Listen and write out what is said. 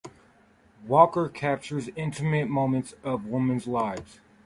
Walker captures intimate moments of women’s lives.